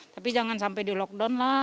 tapi jangan sampai di lockdown lah